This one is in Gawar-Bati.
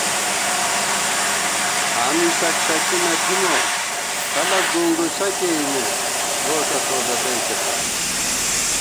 آں می شک شکی نہ تھِمہ، خلَک گُونگُوسہ کېئمېت ، دوݭہ تو لدئیکےپت